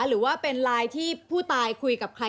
หรือว่าเป็นไลน์ที่ผู้ตายคุยกับใคร